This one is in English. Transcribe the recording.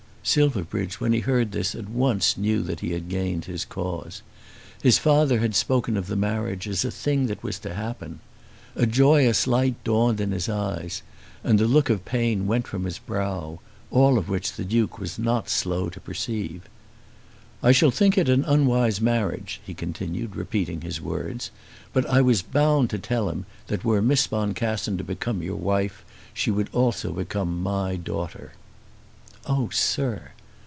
Silverbridge when he heard this at once knew that he had gained his cause. His father had spoken of the marriage as a thing that was to happen. A joyous light dawned in his eyes, and the look of pain went from his brow, all which the Duke was not slow to perceive. "I shall think it an unwise marriage," he continued, repeating his words; "but I was bound to tell him that were Miss Boncassen to become your wife she would also become my daughter." "Oh, sir."